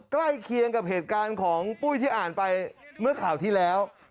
ใกล้เคียงกับเหตุการณ์ของปุ้ยที่อ่านไปเมื่อข่าวที่แล้ว